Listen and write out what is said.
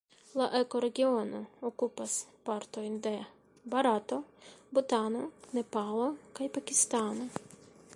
La ekoregiono okupas partojn de Barato, Butano, Nepalo kaj Pakistano.